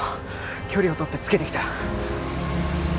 距離をとってつけてきた